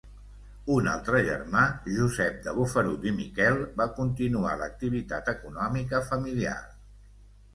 Un altre germà, Josep de Bofarull i Miquel, va continuar l'activitat econòmica familiar.